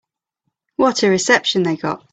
What a reception they got.